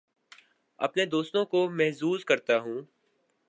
اپنے دوستوں کو محظوظ کرتا ہوں